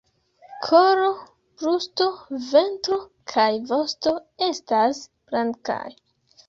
Kolo, brusto, ventro kaj vosto estas blankaj.